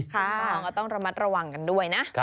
ก็ต้องระมัดระวังกันด้วยนะ